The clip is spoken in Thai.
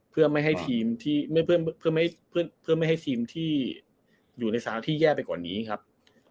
เพื่อไม่ให้ทีมที่อยู่ในสถานที่แย่ไปกว่านี้ครับ